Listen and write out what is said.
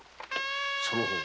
その方